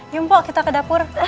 yuk mpok kita ke dapur